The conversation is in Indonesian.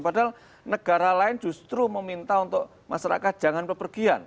padahal negara lain justru meminta untuk masyarakat jangan kepergian